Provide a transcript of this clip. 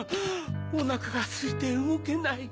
おなかがすいてうごけない。